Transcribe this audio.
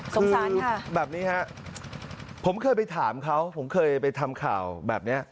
สงสารค่ะแบบนี้ครับผมเคยไปถามเขาผมเคยไปทำข่าวแบบนี้